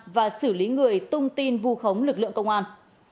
và xử lý người tung tin vu khống lực lượng công an